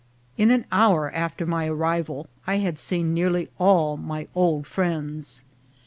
In an hour after my arrival I had seen nearly all my old friends.